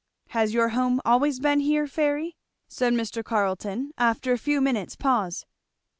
"Has your home always been here, Fairy?" said Mr. Carleton after a few minutes' pause.